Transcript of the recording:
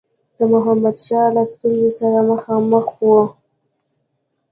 د محمودشاه له ستونزي سره مخامخ وو.